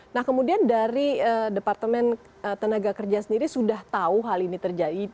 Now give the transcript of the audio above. nah kemudian dari departemen tenaga kerja sendiri sudah tahu hal ini terjadi